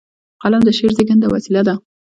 قلم د شعر زیږنده وسیله ده.